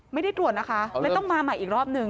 ไม่ได้ตรวจนะคะเลยต้องมาใหม่อีกรอบนึง